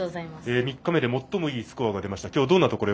３日目で最もいいスコアが出ました。